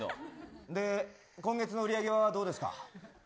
で、今月の売り上げはどうですか？